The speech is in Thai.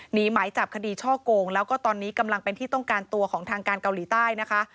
หมายจับคดีช่อโกงแล้วก็ตอนนี้กำลังเป็นที่ต้องการตัวของทางการเกาหลีใต้นะคะ